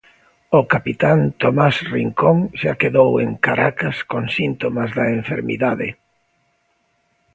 O capitán Tomás Rincón xa quedou en Caracas con síntomas da enfermidade.